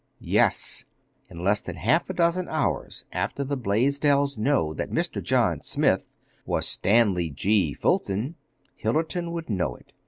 _" "Yes. In less than half a dozen hours after the Blaisdells knew that Mr. John Smith was Stanley G. Fulton, Hillerton would know it.